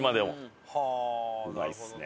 うまいですね。